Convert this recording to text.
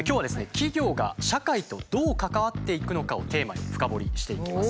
企業が社会とどう関わっていくのかをテーマに深掘りしていきます。